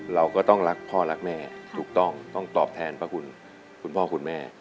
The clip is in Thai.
เราก็ต้องรักพ่อรักแม่ถูกต้องต้องตอบแทนพระคุณคุณพ่อคุณแม่